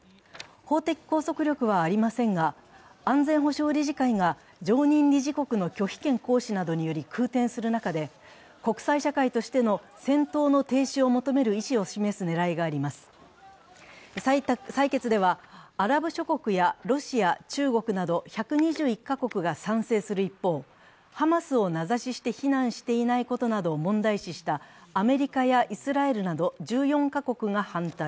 法的拘束力はありませんが安全保障理事会が常任理事国の拒否権などにより空転する中で、国際社会としての戦闘の停止を求める意思を示す狙いがあります採決では、アラブ諸国やロシア・中国など１２１か国が賛成する一方、ハマスを名指しして非難していないことなどを問題視したアメリカやイスラエルなど１４か国が反対